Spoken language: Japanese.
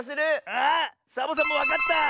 あサボさんもわかった！